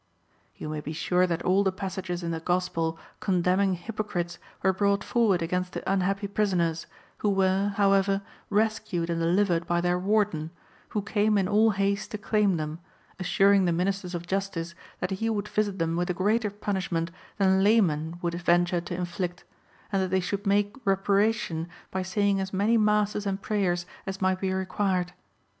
(5) You may be sure that all the passages in the Gospel condemning hypocrites were brought forward against the unhappy prisoners, who were, however, rescued and delivered by their Warden,(6) who came in all haste to claim them, assuring the ministers of justice that he would visit them with a greater punishment than laymen would venture to inflict, and that they should make reparation by saying as many masses and prayers as might be required.